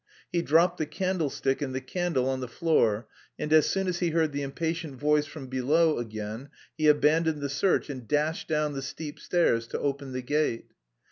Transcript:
He dropped the candlestick and the candle on the floor and as soon as he heard the impatient voice from below again, he abandoned the search and dashed down the steep stairs to open the gate.